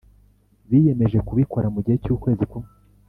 Biyemeje kubikora mugihe cy’ukwezi kumwe